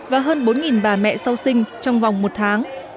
và hơn bốn bà mẹ sau sinh trong vòng một tháng